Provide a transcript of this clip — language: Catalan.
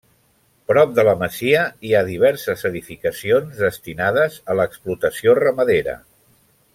Prop de la masia hi ha diverses edificacions destinades a l’explotació ramadera.